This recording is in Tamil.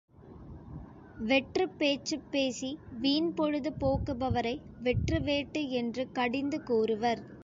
வெற்றுப்பேச்சுப் பேசி வீண்பொழுது போக்குபவரை வெற்று வேட்டு என்று கடிந்து கூறுவர்.